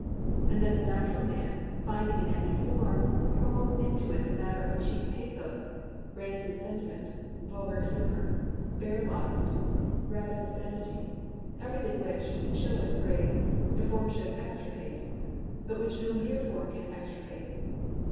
And then the natural man, finding an empty form, hurls into it the matter of cheap pathos, rancid sentiment, vulgar humour, bare lust, ravenous vanity—everything which, in Schiller's phrase, the form should extirpate, but which no mere form can extirpate.